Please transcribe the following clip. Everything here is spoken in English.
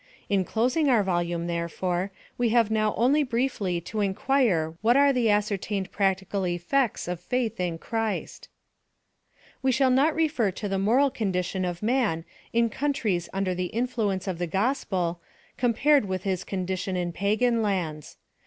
In closing our volume, therefore, we have now only briefly to inquire what are the ascertained practical effects of faith in Christ ? We shall not refer to the moral condition of man in countries under the influence of the gospel, com pared with his condition in Pagan lands.